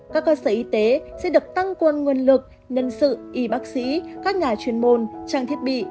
các cơ sở y tế sẽ được tăng quân nguồn lực nhân sự y bác sĩ các nhà chuyên môn trang thiết bị